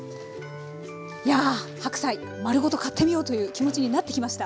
やあ白菜丸ごと買ってみようという気持ちになってきました。